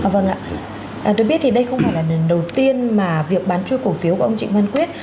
vâng ạ tôi biết thì đây không phải là lần đầu tiên mà việc bán chui cổ phiếu của ông trịnh văn quyết